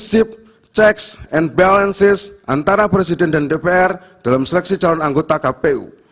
prinsip checks and balances antara presiden dan dpr dalam seleksi calon anggota kpu